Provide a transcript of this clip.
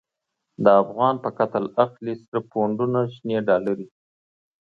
د افغان په قتل اخلی، سره پونډونه شنی ډالری